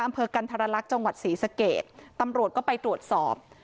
อำเภอกันธรรลักษณ์จังหวัดศรีสเกตตำรวจก็ไปตรวจสอบ